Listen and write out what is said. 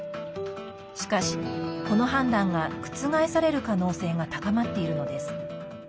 しかし、この判断が覆される可能性が高まっているのです。